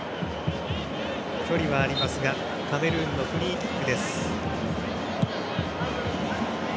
距離はありますがカメルーンのフリーキック。